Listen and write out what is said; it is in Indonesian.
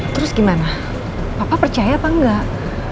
terus gimana papa percaya apa enggak